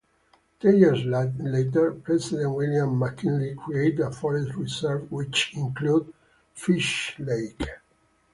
Ten years later President William McKinley created a Forest Reserve which included Fish Lake.